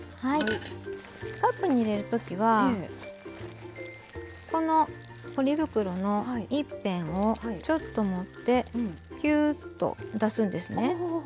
カップに入れるときはポリ袋の一辺をちょっと持ってきゅーっと出すんですね。